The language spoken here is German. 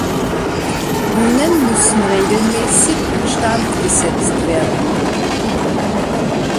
Buhnen müssen regelmäßig instand gesetzt werden.